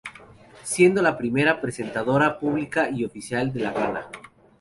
Siendo la primera presentadora pública y oficial de la gala.